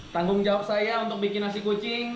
tanggung jawab saya untuk bikin nasi kucing